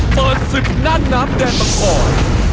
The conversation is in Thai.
เจอสิบหน้าน้ำแดนต่างคอย